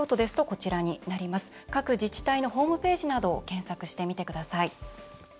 各自治体のホームページなどを検索してみてください。